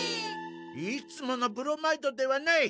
いつものブロマイドではない。